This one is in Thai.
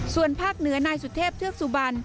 ส่วนภาคเหนือนายสุเทพเทือกสุบัน